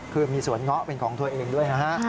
คือมีสวนเงาะเป็นของตัวเองด้วยนะฮะ